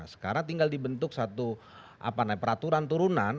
sekarang tinggal dibentuk satu peraturan turunan